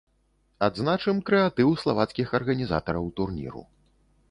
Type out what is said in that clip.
Адзначым крэатыў славацкіх арганізатараў турніру.